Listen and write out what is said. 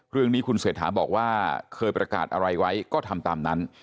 เรื่องนี้คุณเศรษฐาบอกว่าเคยประกาศอะไรไว้ก็ทำตามนั้น